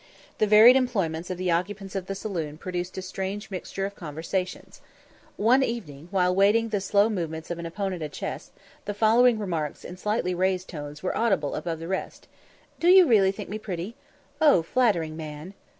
The varied employments of the occupants of the saloon produced a strange mixture of conversations. One evening, while waiting the slow movements of an opponent at chess, the following remarks in slightly raised tones were audible above the rest: "Do you really think me pretty? Oh flattering man!